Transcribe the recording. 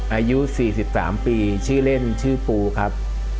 อายุ๔๓ปีชื่อเล่นชื่อปูครับ